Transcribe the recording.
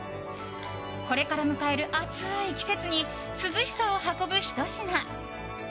これから迎える暑い季節に涼しさを運ぶひと品。